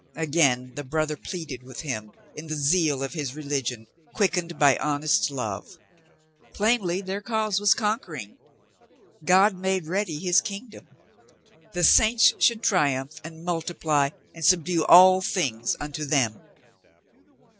Again the brother pleaded with him in the zeal of his religion, quickened by honest love. Plainly their cause was conquering. God made ready His kingdom. The saints should triumph and multiply and subdue all things unto them.